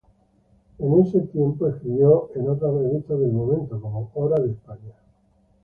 En ese tiempo escribió en otras revistas del momento como "Hora en España".